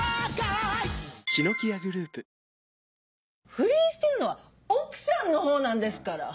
不倫してるのは奥さんのほうなんですから。